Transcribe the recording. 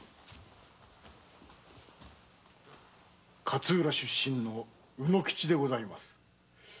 勝浦出身の卯之吉でございます。